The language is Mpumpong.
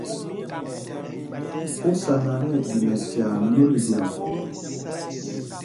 Ú sá ná tí ɛɗi nɛ tyaa nôl ɗyaŋ ?